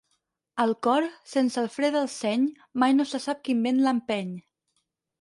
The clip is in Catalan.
Al cor, sense el fre del seny, mai no se sap quin vent l'empeny.